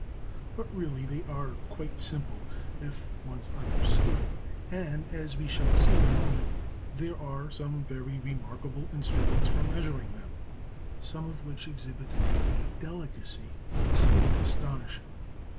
But really they are quite simple if once understood, and, as we shall see in a moment, there are some very remarkable instruments for measuring them, some of which exhibit a delicacy truly astonishing.